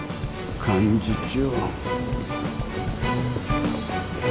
幹事長。